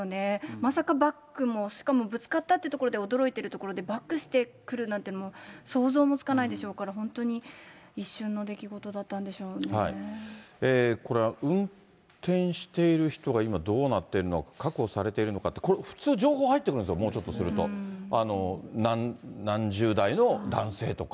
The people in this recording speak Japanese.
まさかバックも、しかもぶつかったというところで驚いているところで、バックしてくるなんて、もう想像もつかないでしょうから、本当に一瞬の出来これは、運転している人が今、どうなっているのか、確保されているのかって、これ、普通情報入ってくるんですよ、もうちょっとすると、何十代の男性とか。